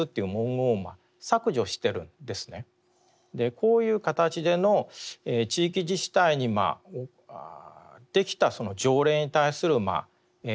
こういう形での地域自治体にできた条例に対する反対運動